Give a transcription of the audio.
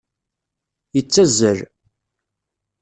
Yettazal.